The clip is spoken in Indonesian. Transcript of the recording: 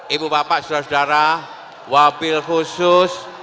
ibu bapak saudara saudara wabil khusus